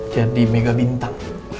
jadi mega bintang